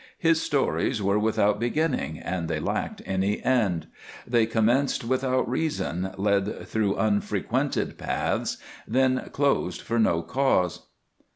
His stories were without beginning, and they lacked any end. They commenced without reason, led through unfrequented paths, then closed for no cause.